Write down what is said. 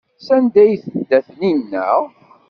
Sanda ay tedda Taninna?